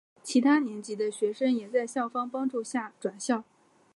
其他年级的学生也在校方帮助下转校。